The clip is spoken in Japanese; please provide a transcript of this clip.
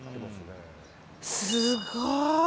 すごい。